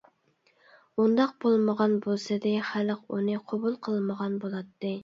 ئۇنداق بولمىغان بولسىدى، خەلق ئۇنى قوبۇل قىلمىغان بولاتتى.